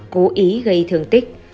cố ý gây thường tích